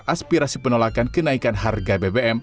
aspirasi penolakan kenaikan harga bbm